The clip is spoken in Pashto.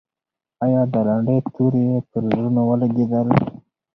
آیا د لنډۍ توري پر زړونو ولګېدل؟